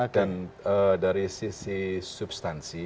dan dari sisi substansi